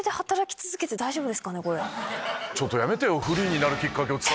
ちょっとやめてよ。